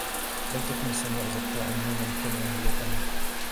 لم تكن السماء زرقاء يوماً كما هي الآن